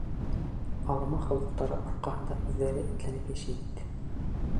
Алама холоҡтары арҡаһында үҙҙәре этләнеп йәшәй бит.